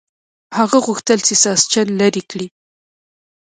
هغه غوښتل چې ساسچن لرې کړي.